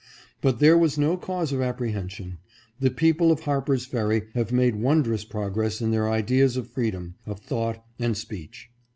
But there was no cause of apprehension. The people of Harper's Ferry have made wondrous prog ress in their ideas of freedom, of thought and speech.